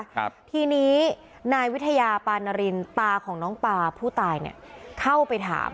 ครับทีนี้นายวิทยาปานารินตาของน้องปาผู้ตายเนี้ยเข้าไปถาม